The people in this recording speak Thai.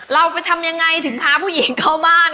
เราไปทำยังไงถึงพาผู้หญิงเข้าบ้าน